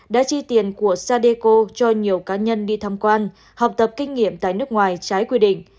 đã chi tiền của sadeco cho nhiều cá nhân đi tham quan học tập kinh nghiệm tại nước ngoài trái quy định